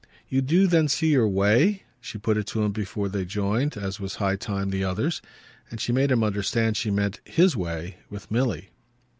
"You do then see your way?" She put it to him before they joined as was high time the others. And she made him understand she meant his way with Milly.